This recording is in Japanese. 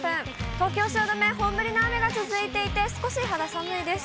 東京・汐留、本降りの雨が続いていて、少し肌寒いです。